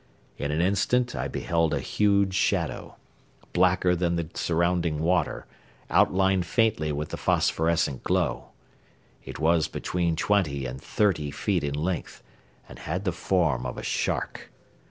In an instant I beheld a huge shadow, blacker than the surrounding water, outlined faintly with the phosphorescent glow. It was between twenty and thirty feet in length, and had the form of a shark.